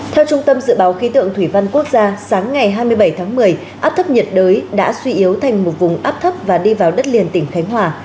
theo trung tâm dự báo khí tượng thủy văn quốc gia sáng ngày hai mươi bảy tháng một mươi áp thấp nhiệt đới đã suy yếu thành một vùng áp thấp và đi vào đất liền tỉnh khánh hòa